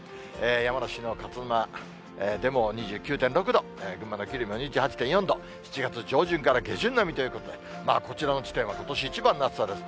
山梨の勝沼でも２９．６度、群馬の桐生も２８．４度、７月上旬から下旬並みということで、こちらの地点はことし一番の暑さです。